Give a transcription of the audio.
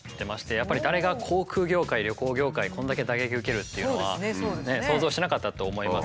やっぱり誰が航空業界旅行業界これだけ打撃受けるっていうのは想像してなかったと思います。